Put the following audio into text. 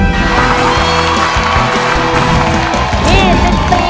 แดงของรถดระปรัง